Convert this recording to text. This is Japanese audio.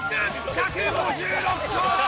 １５６個！